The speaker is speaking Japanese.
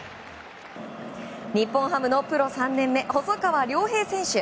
日本ハムのプロ３年目細川凌平選手。